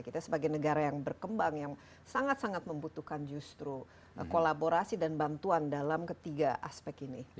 kita sebagai negara yang berkembang yang sangat sangat membutuhkan justru kolaborasi dan bantuan dalam ketiga aspek ini